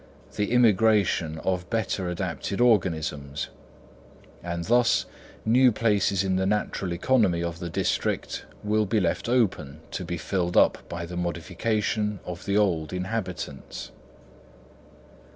the immigration of better adapted organisms; and thus new places in the natural economy of the district will be left open to be filled up by the modification of the old inhabitants.